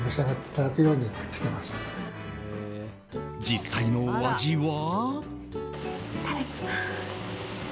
実際のお味は。